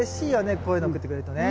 こういうの送ってくれるとね。